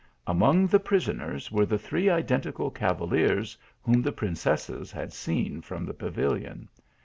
Among the prisoners, were the three identical cava liers whom the princesses had seen from the pavilion.